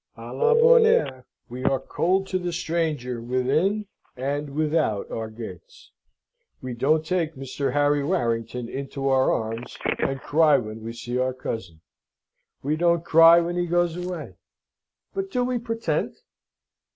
"A la bonne heure! We are cold to the stranger within and without our gates. We don't take Mr. Harry Warrington into our arms, and cry when we see our cousin. We don't cry when he goes away but do we pretend?"